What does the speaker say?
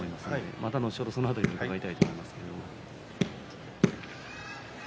またその辺りを伺いたいと思います。